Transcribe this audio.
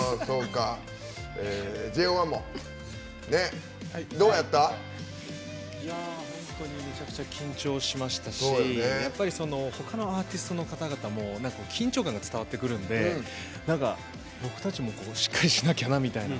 ＪＯ１もめちゃくちゃ緊張しましたしやっぱりほかのアーティストの方々も緊張感が伝わってくるんでしっかりしなきゃなみたいな。